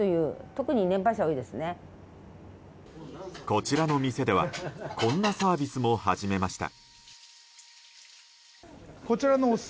こちらの店ではこんなサービスも始めました。